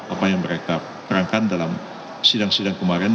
apa yang mereka terangkan dalam sidang sidang kemarin